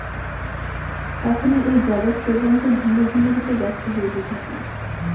তখনই এই জগৎপ্রপঞ্চ ভিন্ন ভিন্ন রূপে ব্যক্ত হইতে থাকে।